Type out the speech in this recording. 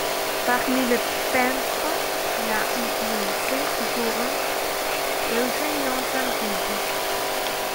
Parmi les peintres qu'il a influencés figurent Eugenio Zampighi.